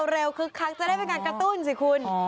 คึกคักจะได้เป็นการกระตุ้นสิคุณ